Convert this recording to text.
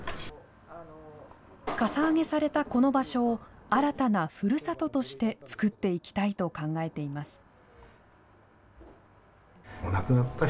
かさ上げされたこの場所を新たなふるさととして作っていきたいと考えています。